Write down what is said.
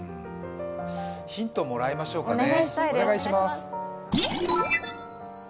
ヒント、もらいましょうかね